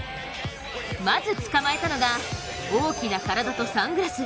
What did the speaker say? まず、捕まえたのが大きな体とサングラス。